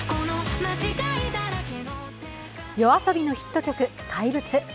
ＹＯＡＳＯＢＩのヒット曲「怪物」。